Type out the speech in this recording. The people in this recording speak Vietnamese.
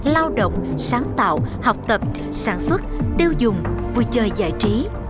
lao động sáng tạo học tập sản xuất tiêu dùng vui chơi giải trí